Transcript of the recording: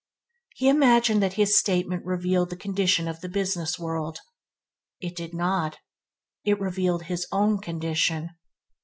He imagined that his statement revealed the condition of the business world; it did not, it revealed his own condition.